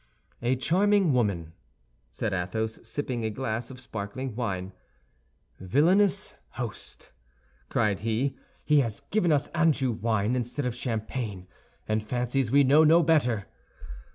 "A charming woman!" said Athos, sipping a glass of sparkling wine. "Villainous host!" cried he, "he has given us Anjou wine instead of champagne, and fancies we know no better!